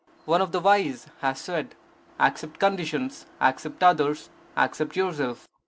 One of the wise has said: accept conditions, accept others, accept yourself.